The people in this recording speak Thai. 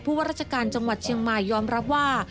ว่าราชการจังหวัดเชียงใหม่ยอมรับว่า